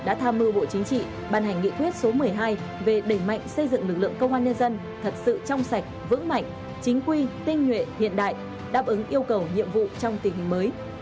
đã tham mưu bộ chính trị ban hành nghị quyết số một mươi hai về đẩy mạnh xây dựng lực lượng công an nhân dân thật sự trong sạch vững mạnh chính quy tinh nhuệ hiện đại đáp ứng yêu cầu nhiệm vụ trong tình hình mới